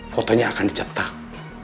fotonya akan dicetak